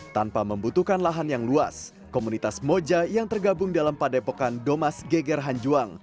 tanpa membutuhkan lahan yang luas komunitas moja yang tergabung dalam padepokan domas geger hanjuang